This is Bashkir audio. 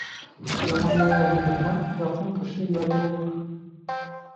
Яманлығы һиҙелһә, яҡын кеше ят булыр.